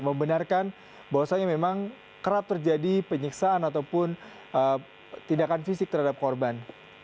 membenarkan bahwasannya memang kerap terjadi penyiksaan ataupun tindakan fisik terhadap korban